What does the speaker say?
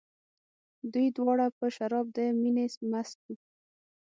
دوی دواړه په شراب د مینې مست وو.